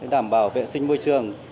đảm bảo vệ sinh môi trường